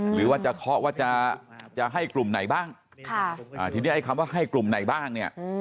หรือว่าจะเคาะว่าจะให้กลุ่มไหนบ้างทีนี้ไอ้คำว่าให้กลุ่มไหนบ้างเนี่ย